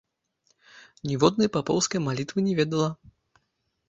Ніводнай папоўскай малітвы не ведала.